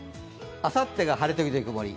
あさってが晴れ時々曇り。